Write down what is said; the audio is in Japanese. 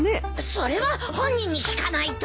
それは本人に聞かないと。